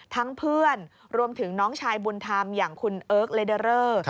เพื่อนรวมถึงน้องชายบุญธรรมอย่างคุณเอิร์กเลเดอเรอร์